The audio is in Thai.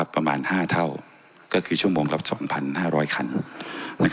ประมาณ๕เท่าก็คือชั่วโมงละ๒๕๐๐คัน